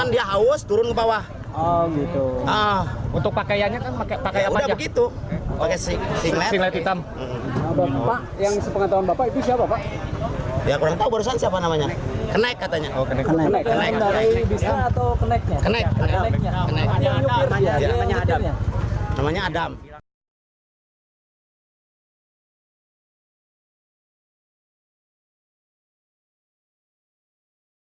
pria yang telah diperiksa di kecamatan cikidang sukabumi akhirnya ditangkap